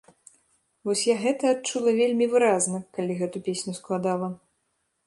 Вось я гэта адчула вельмі выразна, калі гэту песню складала.